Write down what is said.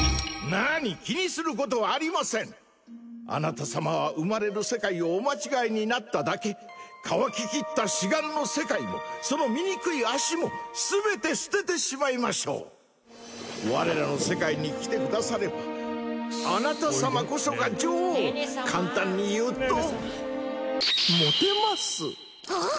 なに気にすることはありませんあなた様は生まれる世界をお間違えになっただけ乾ききった此岸の世界もその醜い脚も全て捨ててしまいましょう我らの世界に来てくださればあなた様こそが女王簡単に言うとモテますああっ！